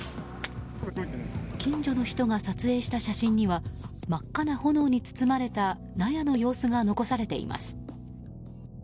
近所の人が撮影した写真には真っ赤な炎に包まれた納屋の様子が残されています。